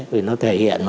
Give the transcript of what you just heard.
vì nó tự nhiên là